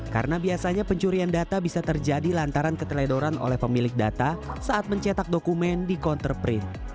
karena biasanya pencurian data bisa terjadi lantaran keteledoran oleh pemilik data saat mencetak dokumen di counter print